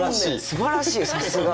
すばらしいさすが。